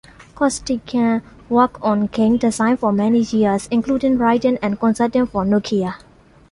Costikyan worked on game design for many years, including writing and consulting for Nokia.